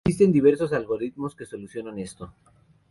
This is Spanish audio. Existen diversos algoritmos que solucionan esto.